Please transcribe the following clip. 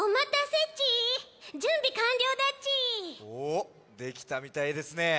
おできたみたいですね。